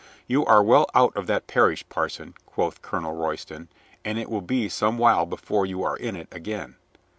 "You are well out of that parish, parson," quoth Colonel Royston, "and it will be some while before you are in it again."